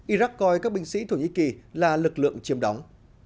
iraq coi các binh sĩ thổ nhĩ kỳ là lực lượng chiếm đóng